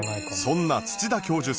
そんな土田教授